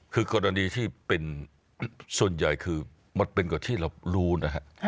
คือกรณีที่เป็นส่วนใหญ่คือมันเป็นกว่าที่เรารู้นะฮะ